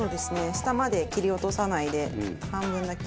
下まで切り落とさないで半分だけ。